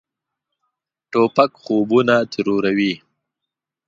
توپک خوبونه تروروي.